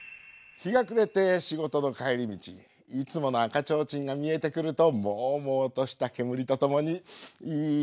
日が暮れて仕事の帰り道いつもの赤ちょうちんが見えてくるともうもうとした煙とともにいい香りだな！